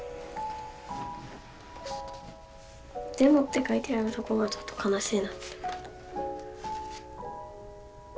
「でも」って書いてあるとこがちょっと悲しいなって。